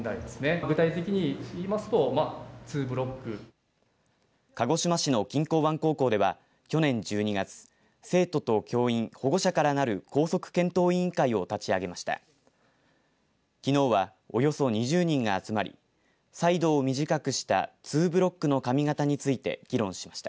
具体的に言いますとツーブロック鹿児島市の錦江湾高校では去年１２月、生徒と教員保護者からなる校則検討委員会を立ち上げました。